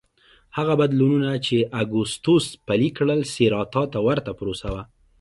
هغه بدلونونه چې اګوستوس پلي کړل سېراتا ته ورته پروسه وه